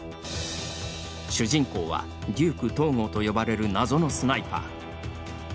主人公はデューク東郷と呼ばれる謎のスナイパー。